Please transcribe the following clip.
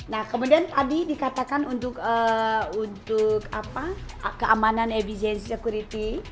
nah kemudian tadi dikatakan untuk keamanan efisiensi security